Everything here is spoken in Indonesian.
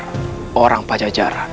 pilih seperti ajaran